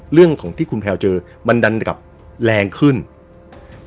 เรื่องของที่คุณแพลวเจอมันดันกลับแรงขึ้น